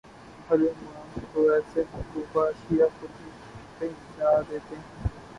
بھلے مانس تو ایسی مطلوبہ اشیاء خود ہی پہنچا دیتے ہیں۔